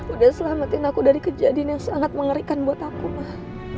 udah selamatin aku dari kejadian yang sangat mengerikan buat aku mah